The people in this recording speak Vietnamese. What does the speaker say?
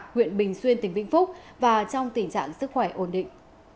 huyện bình xuyên tỉnh vĩnh phúc và trong tình trạng sức khỏe ổn định